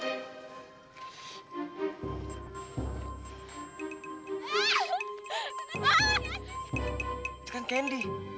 itu kan candy